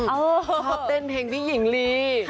ชอบเต้นเพลงพี่หญิงลี